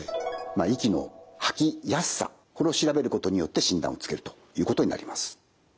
息の吐きやすさこれを調べることによって診断をつけるということになります。